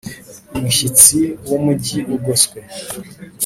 umushyitsi w Umugi ugoswe